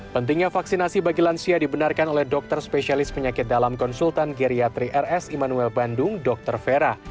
pentingnya vaksinasi bagi lansia dibenarkan oleh dokter spesialis penyakit dalam konsultan geriatri rs immanuel bandung dr vera